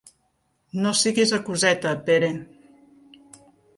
No siguis acuseta, Pere!